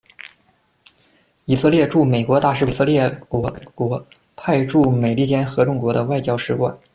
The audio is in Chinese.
以色列驻美国大使馆是以色列国派驻美利坚合众国的外交使馆。